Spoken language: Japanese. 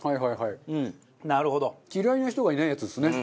嫌いな人がいないやつですね。